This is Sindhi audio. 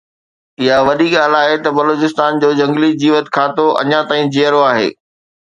اها وڏي ڳالهه آهي ته بلوچستان جو جهنگلي جيوت کاتو اڃا تائين جيئرو آهي